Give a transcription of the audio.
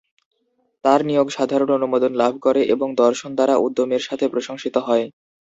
তার নিয়োগ সাধারণ অনুমোদন লাভ করে এবং "দর্শন" দ্বারা উদ্যমের সাথে প্রশংসিত হয়।